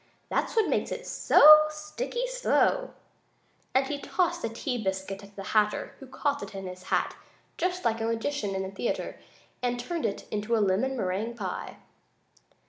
That's what makes it so sticky slow," and he tossed a tea biscuit at the Hatter, who caught it in his hat, just like a magician in the theater, and turned it into a lemon meringue pie.